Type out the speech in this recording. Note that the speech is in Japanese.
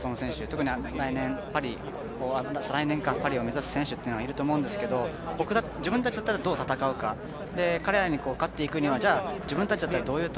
特に再来年、パリを目指す選手がいると思うんですけど自分たちだったらどう戦うか彼らに勝っていくにはどうしていけばいいか。